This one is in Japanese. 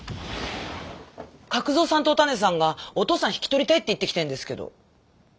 角三さんとおたねさんがお父さん引き取りたいって言ってきてんですけど。